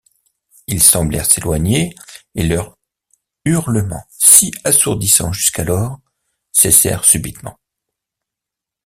Ils semblèrent s’éloigner, et leurs hurlements, si assourdissants jusqu’alors, cessèrent subitement.